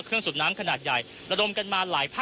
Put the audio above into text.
คุณทัศนาควดทองเลยค่ะ